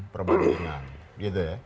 perbandingan gitu ya